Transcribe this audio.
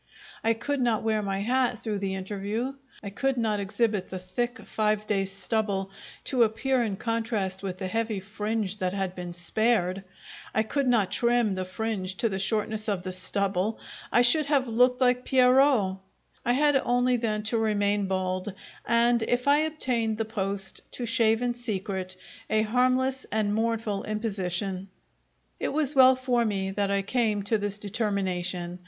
I could not wear my hat through the interview. I could not exhibit the thick five days' stubble, to appear in contrast with the heavy fringe that had been spared; I could not trim the fringe to the shortness of the stubble; I should have looked like Pierrot. I had only, then, to remain bald, and, if I obtained the post, to shave in secret a harmless and mournful imposition. It was well for me that I came to this determination.